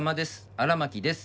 荒牧です」